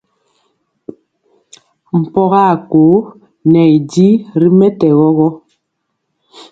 Mpɔŋga a kóo ŋɛ y di ri mɛtɛgɔ gɔ.